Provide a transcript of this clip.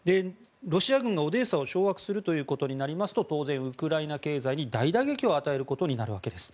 ロシア軍がオデーサを掌握するということになりますと当然ウクライナ経済に大打撃を与えることになるわけです。